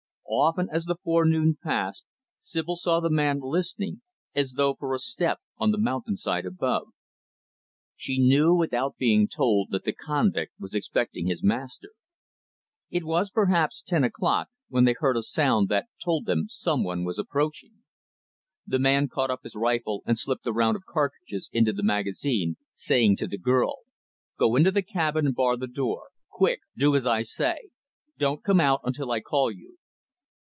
Often, as the forenoon passed, Sibyl saw the man listening, as though for a step on the mountainside above. She knew, without being told, that the convict was expecting his master. It was, perhaps, ten o'clock, when they heard a sound that told them some one was approaching. The man caught up his rifle and slipped a round of cartridges into the magazine; saying to the girl, "Go into the cabin and bar the door; quick, do as I say! Don't come out until I call you."